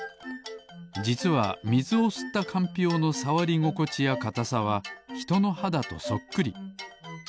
じつはみずをすったかんぴょうのさわりごこちやかたさはひとのはだとそっくり。